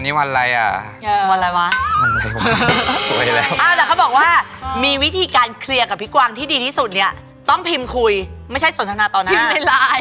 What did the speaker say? คิดว่ามันอะไรวะอะแต่เขาบอกว่ามีวิธีการเคลียร์กับพี่กวางที่ดีที่สุดเนี้ยต้องพิมพ์คุยไม่ใช่สนทนาต่อหน้า